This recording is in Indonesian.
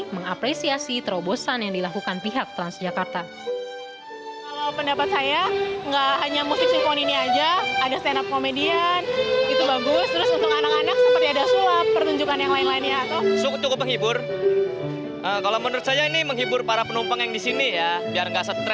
mengapalkan musik klasik yang diperkenalkan